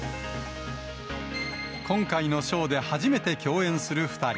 今回のショーで初めて共演する２人。